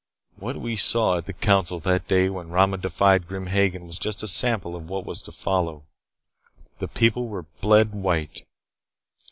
What we saw at the council that day when Rama defied Grim Hagen was just a sample of what was to follow. The people were bled white.